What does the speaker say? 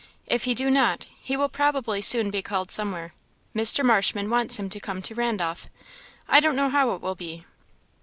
If he do not, he will probably soon he called somewhere; Mr. Marshman wants him to come to Randolph. I don't know how it will be."